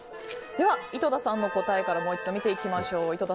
では、井戸田さんの答えからもう一度見ていきましょう。